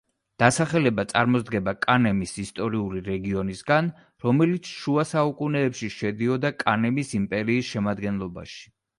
დასახელება წარმოსდგება კანემის ისტორიული რეგიონისაგან, რომელიც შუა საუკუნეებში შედიოდა კანემის იმპერიის შემადგენლობაში.